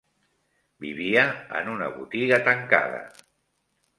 Vivia en una botiga tancada